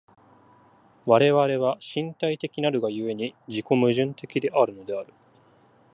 我々は身体的なるが故に、自己矛盾的であるのである。